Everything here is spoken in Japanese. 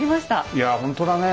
いや本当だね。